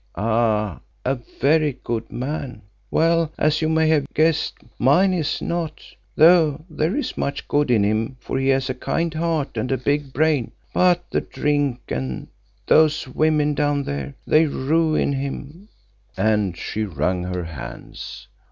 "Ah! a very good man. Well, as you may have guessed, mine is not, though there is much good in him, for he has a kind heart, and a big brain. But the drink and those women down there, they ruin him," and she wrung her hands.